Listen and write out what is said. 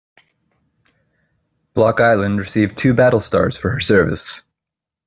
"Block Island" received two battle stars for her service.